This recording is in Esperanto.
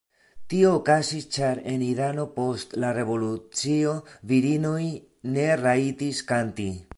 Tio okazis ĉar en Irano post la revolucio virinoj ne rajtis kanti.